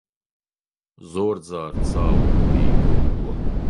زۆر جار چاوم پێی کەوتووە.